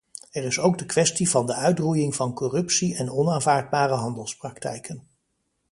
Er is ook de kwestie van de uitroeiing van corruptie en onaanvaardbare handelspraktijken.